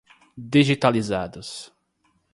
digitalizados